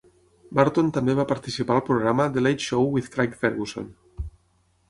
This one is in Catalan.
Burton també va participar al programa "The Late Show with Craig Ferguson".